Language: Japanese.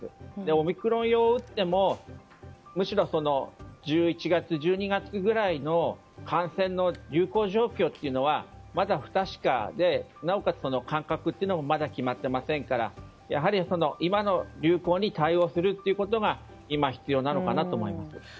オミクロン用を打ってもむしろ１１月、１２月くらいの感染の流行状況というのはまだ不確かでなおかつ、間隔というのもまだ決まっていませんからやはり今の流行に対応することが今、必要なのかなと思います。